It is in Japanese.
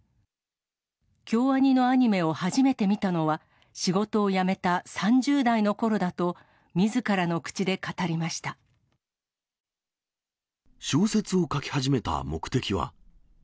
京アニのアニメを初めて見たのは、仕事を辞めた３０代のころだと、小説を書き始めた目的は。